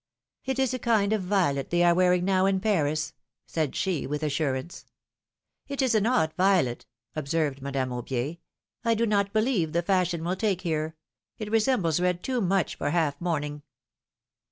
It is a kind of violet they are wearing now in Paris," said she, with assurance. It is an odd violet," observed Madame Aubier. ^^I do not believe the fashion will take here ; it resembles red too much for half mourning."